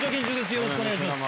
よろしくお願いします。